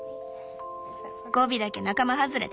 ゴビだけ仲間外れで？